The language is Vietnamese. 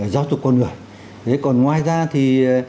giáo dục con người